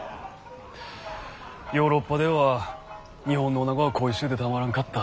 ヨーロッパでは日本のおなごが恋しゅうてたまらんかった。